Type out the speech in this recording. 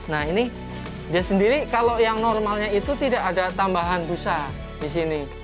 nah ini dia sendiri kalau yang normalnya itu tidak ada tambahan busa di sini